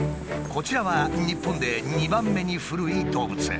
こちらは日本で２番目に古い動物園。